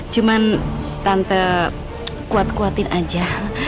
cuman tante kuat kuatin aja